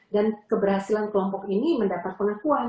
dan keberhasilan kelompok ini mendapat penakuan